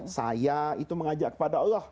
saya itu mengajak kepada allah